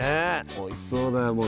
おいしそうだよ。